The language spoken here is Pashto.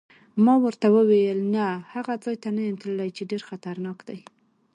ما ورته وویل: نه، هغه ځای ته نه یم تللی چې ډېر خطرناک دی.